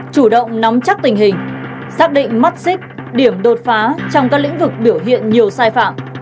chủ động nắm chắc tình hình xác định mắc xích điểm đột phá trong các lĩnh vực biểu hiện nhiều sai phạm